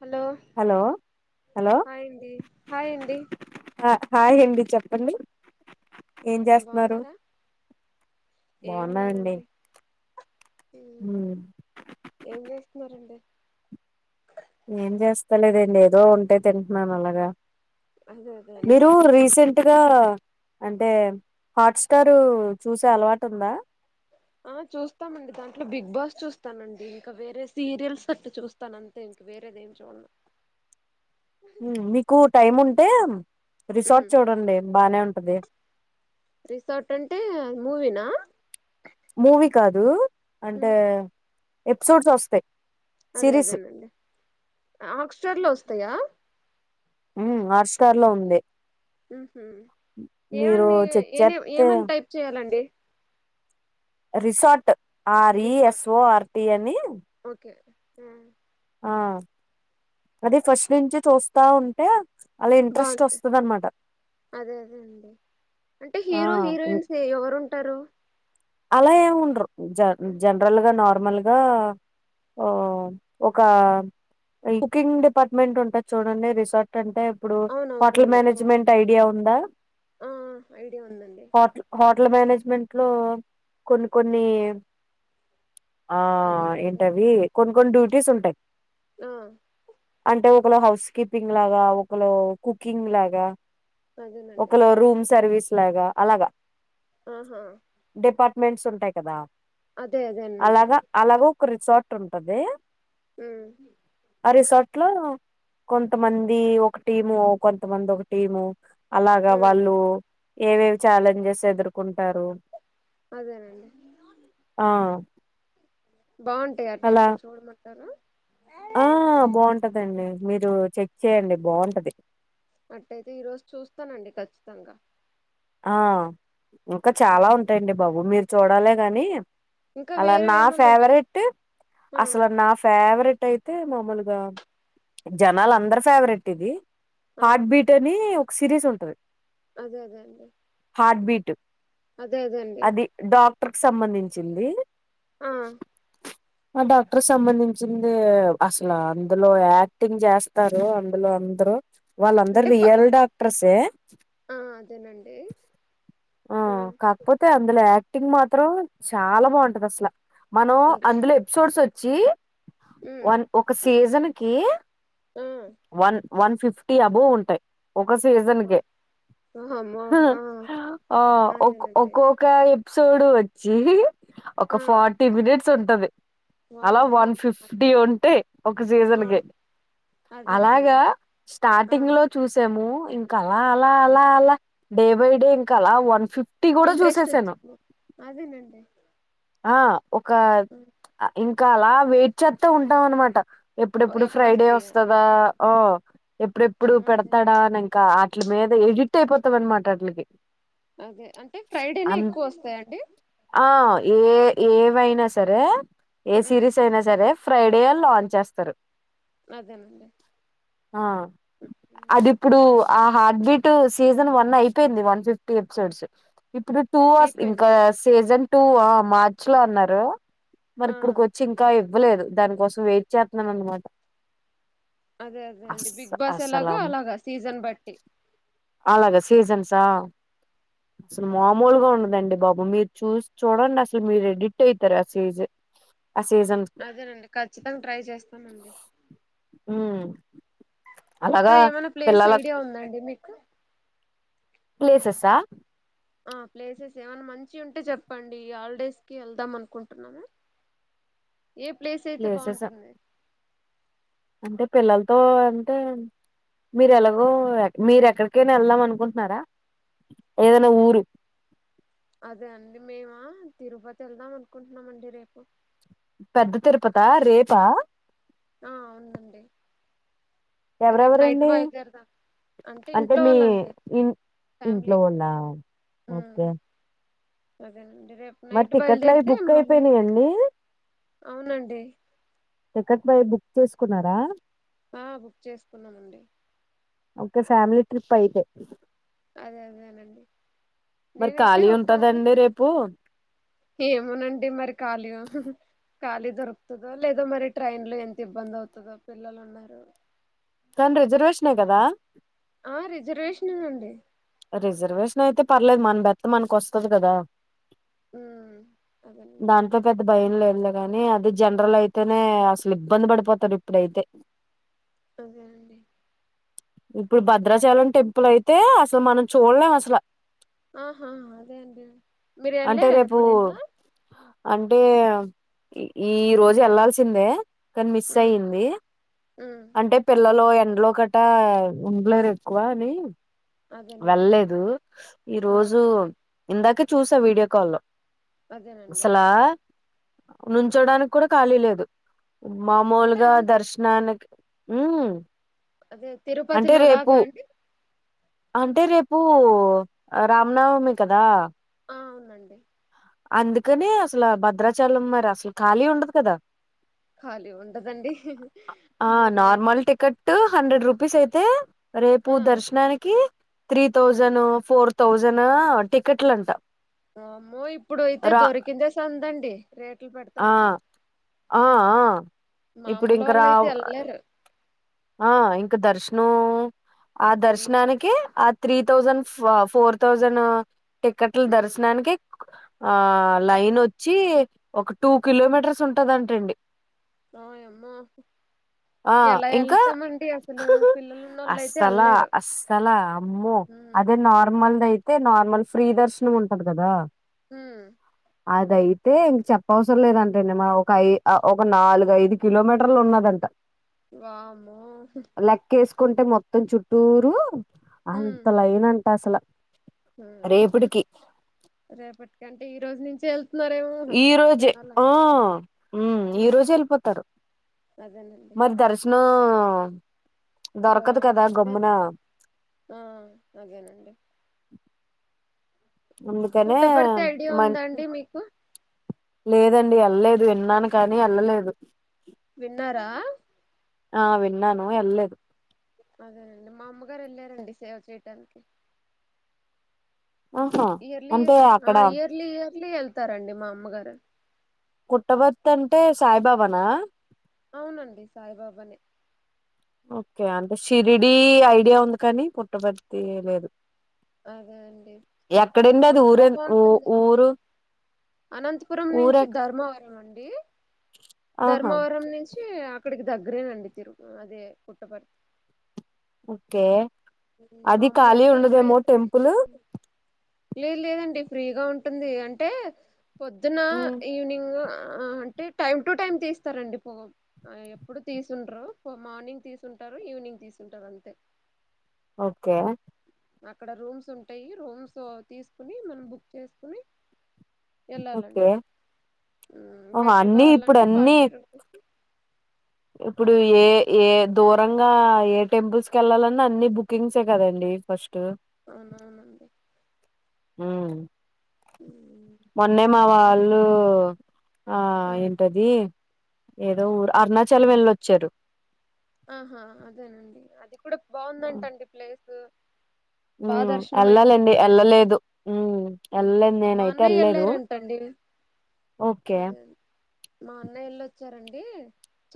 Hello hello hello హాయండి హాయండి హా హాయ్ అండి చెప్పండి ఏం చేస్తున్నారు బాగున్నార ఏం బాగున్నానండి లేదండి మ్ ఉమ్, ఏం చేస్తున్నారండి ఏం చేస్తలేదండి ఏదో ఉంటే తింటున్నాను అలాగా అదే అదే అండి ట్గా అంటే హాట్స్టారు చూసే అలవాటు ఉందా ఆ చూస్తామండి దాంట్లో బిగ్ బాస్ చూస్తానండి ఇంకా వేరే సీరియల్స్ అట్టు చూస్తాను అంతే ఇంక వేరేది ఏం చూడను మ్ మీకు టైం ఉం టె రిసార్ట్ చూడండి బాగానే ఉం అదే రిసార్ట్ ఉంటే మువినా మూవీ కాదు అంటే ఎపిసోడ్స్ వస్తాయి అదే సిరీస్ అదేనండి ఆక్స్ఫర్డ్ లో వస్తాయా హాట్స్టర్ లో ఉంది ఉహు మీరు ఏమన్నీ చెక్ ఏ చేస్తే ఏమన్నా టైప్ చేయాలండి resort R E resort S O R T అని హ ఆ అది ఫస్ట్ నుంచి చూస్తా ఉంటే అలా ఇంట్రెస్ట్ బాగుంటాయి వస్తది అన్నమాట అదే అదే అండి అంటే హీరో హీరోయిన్స్ ఎవరు ఉంటారు అల ఏ ఉండ్రు జ జనరల్ గా నా నార్మల్ ఒక కుకింగ్ డిపార్ట్మెంట్ ఉంటుంది చూడండి రిసార్ట్ అంటే ఇప్పుడు హోటల్ అవునవునవును ఆ మేనేజ్మెంట్ ఐడియా ఉందా ఆ ఐడియా ఉందండి హోటల్ హోటల్ మేనేజ్మెం మెంట్లో కొన్ని కొన్ని ఆ అదేనండి ఏంటవి కొని కొన్ని డ్యూ తీస్ ఉంటాయి ఆ అంటే ఒకళ హౌస్ కీపింగ్ లాగా ఒకలు కుకింగ్ లాగా అదేనండి ఒకలు రూమ్ సర్వీస్ అట్లాగా అలాగా ఆహా డిపార్ట్మెంట్స్ ఉంటాయి కదా అదే అదేనండి అలాగా అలాగ ఒక రిసార్ట్ ఉంటది హు ఆ రిసార్ట్ లో కొంతమంది ఒక టీము కొంతమంది ఒక టీము అలాగా ఉమ్ వాళ్ళు ఏవేవి ఛాలెంజెస్ ఏదురుకుంటారు అదేనండి బాగుంటాయి అట్ట అలా అయితే చూడమంటారా ఆ బాగుంటదండి మీరు చెక్ చేయండి బాగుంటది అట్టయితే ఈ రోజు చూస్తానండి ఖచ్చితంగా ఆ ఇంకా చాలా అదేనండి ఉంటాయండి బాబు మీరు చూడాలేగానీ ఇంకా అలా వేరే నా ఏమన్నా ఉన్నాయి ఫేవరెటు ఆ అసలు నా ఫేవరెట్ అట్ట అయితే మామూలుగా జనాలు అందరు ఫేవరెట్ ఇది ఆ హార్ట్ బీట్ అని సిరీస్ ఉంటది అదే అదే అండి హార్ట్ బీటు అదే అదే అండి డాక్టర్క సంబంధించింది ఆ ఆ డాక్టర్ సంబంధిం చ్చింది అసలు అందులో యాక్టింగ్ చేస్తారు అందులో అందరు వాళ్ళందరు అంటే ఫ రియల్ డాక్టర్స్ దే ఆ అదేనండి ఆ కాకపోతే అందులో యా టింగ్ మాత్రం చాలా బాగుంటది అసల మనం అదే అందులో ఎపిసోడ్స్ వ చీ ఉమ్ వన్ ఒక సీజన్ కి ఆ వన్ వన్ ఫిఫ్టీ అబోవ్ ఉంటాయి ఒక సీజన్ అబ్బా! కే వామ్మో ఆ ఆ ఒక్ అదేనండి ఒక్కొక్క ఎప్ సోడు వచ్చి ఒక ఆ ఫార్టీ మినిట్స్ సు ఉంటది అలా వామ్మో వన్ ఫిఫ్టీ ఉంటే ఒక ఆ సీజన్ కే అదేనండి అలాగా ఆ స్టార్టింగ్ లో చూసాము ఇంకా అలా అలా అలా అలా డే బై డే ఇం కల వన్ ఫిఫ్ ఇంట్రెస్ట్ వచ్చింది అదేనండి ఆ ఒక అ ఇ ఇకా అలా వెయిట్ చేత ఉంటాం అనమాట ఎప్పుడెప్పుడు ఫ్రైడే ఎప్పుడొస్తాయా అని వస్తదా ఓ ఎప్పుడెప్పుడు అదే పెడతాడా అని ఇంకా ఇట్ల మీద ఎడిట్ అయిపోతాం అనమాట అట్లకి అదే అంటే ఫ్రైడేనే ఎక్కువ వస్తాయండి ఆ ఏ ఏవైనా సరే ఏ ఉమ్ సిరీస్ అయినా సరే ఫ్రైడే లాంచ్ చేస్ సరు అదేనండి ఆ అది ఇప్పుడు ఆ హార్ట్ బీట్ సీజన్ వన్ అయిపోయింది వన్ ఫిఫ్టీ ఎపిసోడ్స్ ఇప్పుడు టూ అస్ ఇంకా అయిపోయిందా సీజన్ టూ ఆ మార్చి లో అన్నారు మరి ఆ ఇప్పుడుకి వచ్చి ఇంకా ఇవ్వలేదు దానికోసం వెయిట్ చేతున్నాను అనమాట అదే అదే అండి అస్ బిగ్ బాస్ ఎలాగో అసలు అలాగా సీజన్ బట్టి అలాగా సీజన్స్ ఆ అసలు ఉమ్ మామూలుగా ఉండదండి బాబు ఓ మీరు చూసి చూడండి అసలు మీరు ఎడిట్ అయితారు ఆ సీజ్ అదేనండి ఖచ్చితంగా ట్రై చేస్తాను అండి ఉమ్ ఇంకా అలాగా ఏమైనా ప్లేస్ పిల్లల ఐడియా ఉందండి మీకు ప్లేసెస్ ఆ ఆ ప్లేసెస్ ఏమన్నా మంచిగా ఉంటే చెప్పండి హాలిడేస్ కి వెళ్దాం అనుకుంటున్నాను ఏ ప్లేస్ అయితే ప్లేసెస్ బాగుంటుంది అంటే పిల్లలతో అంటే మీరు ఎలాగో మీరు ఎక్కడికైనా వెళ్లాలని అనుకుంటున్నారా ఏదైనా ఊరు అదే అండి మీమా తిరుపతి వెళ్దాం అనుకుంటున్నామండి రేపు పెద్ద తిరుపత రేపా ఆ అవును అండి ఎవరెవరండి అంటే ఇంట్లో మీ వాళ్ళండి ఇన్ ఫ్యామిలీ ఇంట్లో వాళ్ల ఓకే అదేన్ రేపు మరి నైట్ టికెట్లు అవి బయలుదేరితే బుక్ మన అయిపోయినాయండి అవునండి టికెట్ పై బుక్ చేసుకున్నారా ఆ బుక్ చేసుకున్నామండి ఒక ఫ్యామిలీ ట్రిప్ అయితే అదే అదేనండి మరి నేనైతే ఖాళీ ఒకసారి ఉంటదండి రేపు ఏమో నండి మరి కాలిగా ఖాళీ దొరుకుతుందో లేదో మరి ట్రైన్ లో ఎంత ఇబ్బంది అవుతుందో పిల్లలు ఉన్నారు. తను రిజర్వేషన్ కదా. ఆ రిజర్వేషనే అండి. రిజర్వేషన్ అయితే పర్లేదు మన బెత్తు మనకు వస్తది కదా. అదేనండి దాంట్లో పెద్ద భయం లేదు. అల్ల గాని అది జనరల్ అయితేనే అసలు ఇబ్బంది పడిపోతారు ఇప్పుడైతే. అదే అండి. ఇప్పుడు భద్రాచలం టెంపుల్ అయితే అసలు మనం చూడలేం అసల. ఆహా అదే అండి మీరు అంటే వెళ్ళరా రేపు ఎప్పుడైనా. అంటే ఈ రోజు వెళ్లాల్సిందే. కానీ మిస్ ఉమ్, అయింది. ఉమ్, ఇంట్లో గటా ఉండలేరు ఎక్కువ అని. అదేనండి వెళ్లేదు ఈ ఆ రోజు. ఇందాక చూసా వీడియో కాల్ లో. అదేనండి అసలా నుంచోడానికి కూడ ఖాళీ లేదు అంటే మామూలుగా అన్ దర్శనాన్. ఊ అదే తిరుపతిలో లాగా అండి అంటే రేపూ రామ నవమి కదా అ అవునండి అందుకనే అసలు భద్రాచలం మరి అసలు ఖాళీ ఉండదు కదా ఖాళీ ఉండదండి మరి టూ హండ్రెడ్ రూపీస్ అయితే రేపు ఆ దర్శనానికి త్రీ హ్మ్ థౌజను ఫోర్ థౌజనా టికెట్లు అంట ఆ మో ఇప్పుడు అయితే దొరికిందె సందండి రేట్లు ఆ పెడతానికి ఆఆ ఇప్పుడు మామూలు ఇంకా వాళ్ళు అయితే రావ్ అని ఎళ్ళలేరు ఆ ఇ కా దర్శనం ఆ హ్మ్ దర్శనానికి ఆ త్రీ థౌజన్ ఫా ఫోర్ థౌజన్ టిక్కట్లు హ్మ్ దర్శనానికి ఆ లైన్ వచ్చి ఒక్క టూ కిలోమీటర్స్ ఉంటదంట అండి ఓయమ్మో ఆ ఎలా ఇంకా ఎళ్తామండి అసలు పిల్లలు ఉన్నోళ్ళు అయితే అస్సలా ఎళ్ళలేరు అస్సలా అమ్మో హ్మ్ అదే నార్మల్ ది అయితే అయితే నార్మల్ ఫ్రీ దర్శనం ఉంటది కదా హ అదయితే ఇంక చెప్ప అవసరం లేదంటండి మ ఒక ఐ ఒక నాలుగు ఐదు కిలోమీటర్లు ఉన్నదంట వామ్మో కుంటే మొత్తం చుట్టూరు అంతలా ఏనంటా అసల ఊ హ్ రేపటి అంటే ఈ రోజు నుంచే వె ఈ రోజే ఆ మ్ ఈ హ్మ్ రోజు వెళ్ళిపోతారు మరి దర్శనం ఆ ఆ అదేనండి ఆ అదేనండి అందుకనే పుట్టపర్తి ఐడియా మ ఉందాండి మీకు లేద ండి వెళ్ళలేదు విన్నాను కానీ వెళ్ళలేదు విన్నారా ఆ విన్నాను వెళ్ళలేదు అదేనండి మా అమ్మగారు వెళ్ళారండి సేవ చేయడానికి ఆహా ఇయర్లీ అంటే ఇయర్లీ ఆ అక్కడ ఇయర్లీ ఇయర్లీ ఎళ్ తారండి మా అమ్మగారు కుట్టభర్తీ అంటే సాయిబాబానా అవునండి సాయిబాబానే ఓకే అంటే షరిడి ఐడియా ఉంది కానీ పుట్టభర్తీ లేదు అదే అండి ఇప్పుడు ఎక్కడండి అది చాలా ఊరే ఊ బాగుంటుందండి ఊరు అనంతపురం ఊర నుంచి ధర్మవరం అండి ఆహా ధర్మవరం నుంచి ఆ ఆక్కడికి దగ్గరేనండి తిరుగు అదే పుట్టపరతి ఓకే మా అది అమ్మ ఖాళీ వెళ్ళి అప్పుడే ఉండదేమో త్రీ టెంపుల్ లేదు లేదండి ఫ్రీ గా ఉంటుంది అంటే పొద్దున ఉమ్, ఈవినింగ్ ఆ అంటే టైం టు టైం తీస్తారండి పు ఎప్పుడు తీసుండరు పో మార్నింగ్ తీసుంటారు ఈవినింగ్ తీసుంటారు అంతే ఓకే అక్కడ రూమ్స్ ఉంటాయి రూమ్స్ తీసుకుని మనం బుక్ చేసుకుని ఓకే వెళ్ళాలండి ఓహో బెడ్లు అన్ని ఇప్పుడు కావాలంటే అన్ని ఫార్టీ రూపీస్ ఇప్పుడు ఏ అవునండి ఏ దూరం గా ఏ టెంపుల్స్ వెళ్ళాలన్నా అన్ని బుకింగ్సే కదండి ఫస్ట్ అవును అవునండి హు మొన్నే మా ఇంకేంటండి వాళ్ళు ఆ ఏంటది ఏదో ఊరు అరుణాచలంవెళ్ళొచ్చారు ఆహా అదేనండి అది ఇప్పుడ బాగుందంటండి ప్లేసు బా ఉమ్ దర్శనం అయిందంట వెళ్ళాలండి వెళ్ళలేదు ఉమ్ వెళ్ళలేదు మా నేనైతే అన్నయ్య వెళ్ళలేదు వెళ్ళారంటండి ఓకే అదే మా అన్నయ్య ఎళ్ళొచ్చారండి ఏ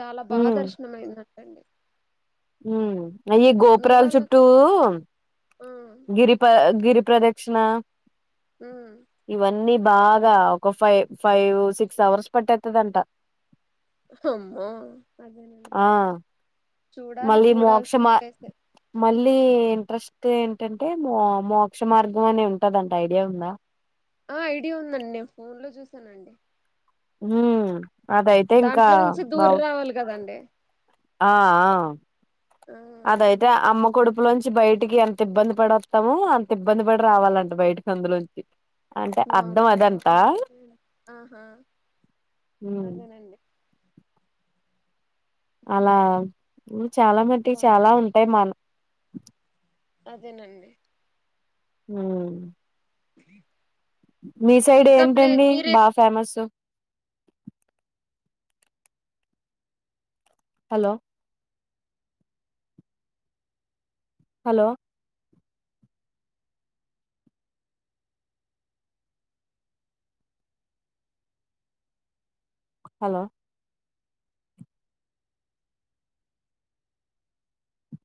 చాలా బా దర్శనమైదంట హూ అయ్య మీ గోపురాల వాళ్ళ చుట్టూ ఆ గిరి ప్ర గిరి ప్రదక్షిణ ఉమ్ ఇవన్నీ బాగా ఒక ఫైవ్ ఫైవ్ సిక్స్ అవర్స్ పట్టేతదంట అమ్మో అదేనండి ఆ చూడాలి చూడాల్సిన ప్లేసే ది ఇంట్రెస్ట్ ఏంటంటే మో మోక్ష మార్గం అనే ఉంటదంట ఐడియా ఉందా ఆ ఐడియా ఉందండి నేను ఫోన్ లో చూసానండి మ్మ్ దాంట్లో నుంచి దూరి రావాలి కదండి ఆ ఆ అదయితే అమ్మకుడు [unintelligible] నుంచి బయటికి ఎంత ఇబ్బంది పడి వస్తామో అంత ఇబ్బంది పడి రావాలంటే బయటకి అందులోంచి అంటే అర్ధం అదంట [unintelligible] ఆహా అదేనండి. అలా మ్ చాలా మటి బా చాలా ఉంటాయి మన్ అదేనండి మ్మ్ మీ సైడ్ ఇంకా ప్లే ఏంటండి మీరే బా ఫేమస్ హలో హలో హలో